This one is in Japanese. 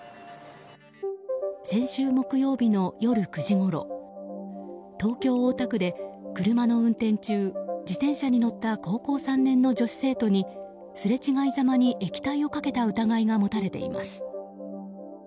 先週木曜日の夜９時ごろ東京・大田区で車の運転中自転車に乗った高校３年の女子生徒にすれ違いざまに液体をかけた疑いが持たれています。